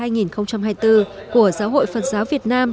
năm hai nghìn hai mươi bốn của giáo hội phật giáo việt nam